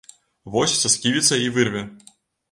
Вось са сківіцай і вырве.